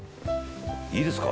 いいですか？